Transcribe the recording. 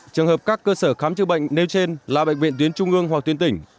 trường hợp các cơ sở khám chữa bệnh nêu trên là bệnh viện tuyến trung ương hoặc tuyến tỉnh